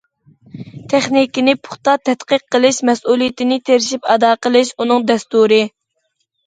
« تېخنىكىنى پۇختا تەتقىق قىلىش، مەسئۇلىيىتىنى تىرىشىپ ئادا قىلىش» ئۇنىڭ دەستۇرى.